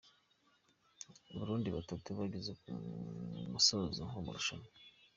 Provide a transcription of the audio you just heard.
Burundi Batatu bageze ku musozo w’amarushanwa